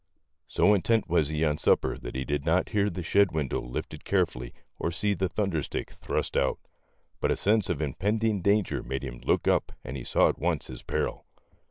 So intent he was on supper that he did not hear the shed window lifted carefully or see the thunderstick thrust out. But a sense of impending danger made him look up and he saw at once his peril.